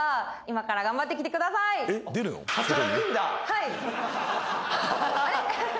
はい。